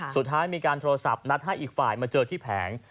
สุดท้ายมีการโทรศัพท์นัดให้อีกฝ่ายมาเจอที่แผง